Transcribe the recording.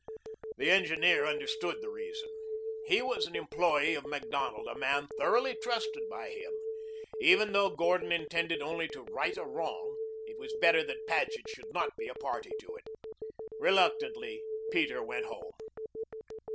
The engineer understood the reason. He was an employee of Macdonald, a man thoroughly trusted by him. Even though Gordon intended only to right a wrong, it was better that Paget should not be a party to it. Reluctantly Peter went home.